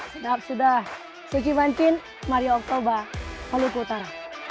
sedap sudah suki mancin maria oktober maluku utara